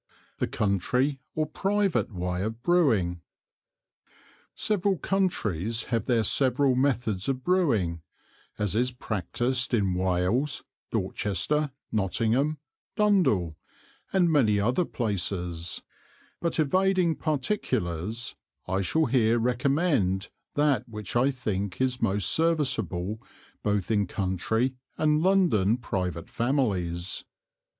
The Country or private way of Brewing. Several Countries have their several Methods of Brewing, as is practised in Wales, Dorchester, Nottingham, Dundle, and many other Places; but evading Particulars, I shall here recommend that which I think is most serviceable both in Country and London private Families.